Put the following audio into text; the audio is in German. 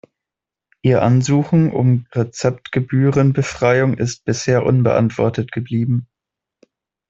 Ihr Ansuchen um Rezeptgebührenbefreiung ist bisher unbeantwortet geblieben.